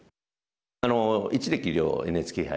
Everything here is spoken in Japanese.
あの一力遼ＮＨＫ杯対。